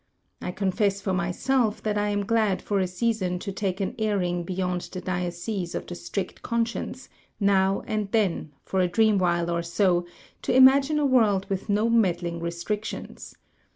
"I confess for myself that I am glad for a season to take an airing beyond the diocese of the strict conscience, now and then, for a dreamwhile or so, to imagine a world with no meddling restrictions.